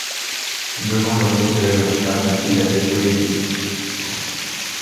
Devant le refus de la jeune femme, il la fait brûler vive.